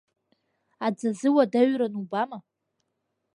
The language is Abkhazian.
Аӡазы уадаҩран, убама.